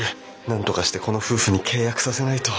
なんとかしてこの夫婦に契約させないと。